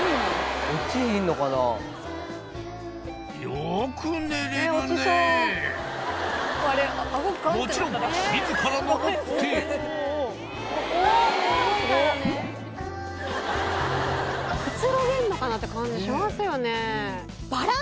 よく寝れるねもちろん自らのぼってくつろげるのかなって感じしますよね